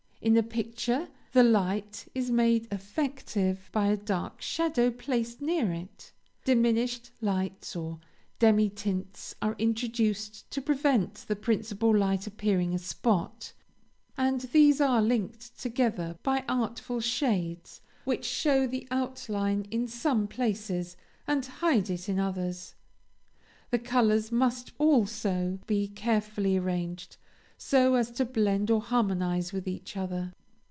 In a picture the light is made effective by a dark shadow placed near it; diminished lights or demi tints are introduced to prevent the principal light appearing a spot; and these are linked together by artful shades, which show the outline in some places, and hide it in others. The colors must also be carefully arranged, so as to blend or harmonize with each other.